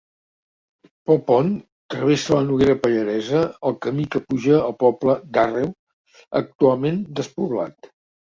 Pel pont travessa la Noguera Pallaresa el camí que puja al poble d'Àrreu, actualment despoblat.